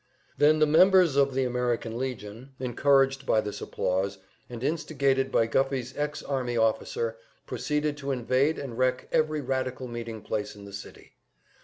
Then the members of the American Legion, encouraged by this applause, and instigated by Guffey's ex army officer, proceeded to invade and wreck every radical meeting place in the city.